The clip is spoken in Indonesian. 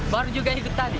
baru juga ikut tadi